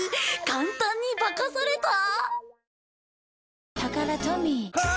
簡単に化かされた。